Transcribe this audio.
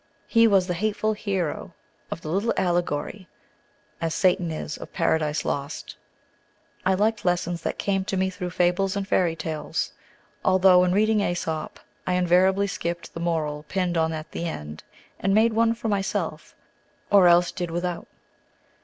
He was the hateful hero of the little allegory, as Satan is of "Paradise Lost." I liked lessons that came to me through fables and fairy tales, although, in reading Aesop, I invariably skipped the "moral" pinned on at the end, and made one for myself, or else did without.